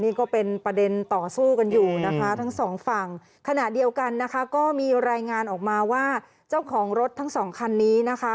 นี่ก็เป็นประเด็นต่อสู้กันอยู่นะคะทั้งสองฝั่งขณะเดียวกันนะคะก็มีรายงานออกมาว่าเจ้าของรถทั้งสองคันนี้นะคะ